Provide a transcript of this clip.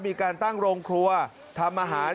มีการตั้งโรงครัวทำอาหาร